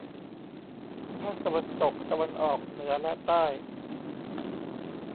ภาคตะวันตก ตะวันออก เหนือ และใต้